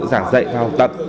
giảng dạy và học tập